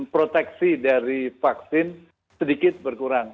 proteksi dari vaksin sedikit berkurang